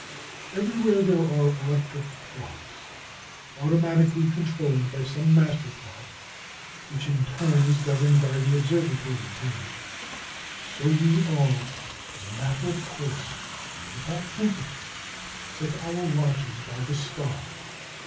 Everywhere there are electric clocks, automatically controlled by some master clock, which, in its turn is governed by the observatory time. So we all, as a matter of course and without thinking, set our watches by the star.